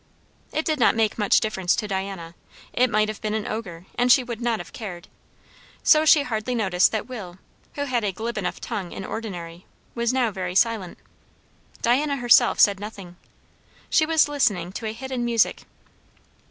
It did not make much difference to Diana; it might have been an ogre, and she would not have cared; so she hardly noticed that Will, who had a glib enough tongue in ordinary, was now very silent. Diana herself said nothing. She was listening to hidden music.